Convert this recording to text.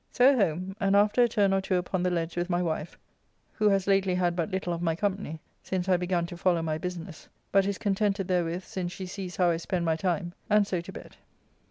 So home, and after a turn or two upon the leads with my wife, who has lately had but little of my company, since I begun to follow my business, but is contented therewith since she sees how I spend my time, and so to bed.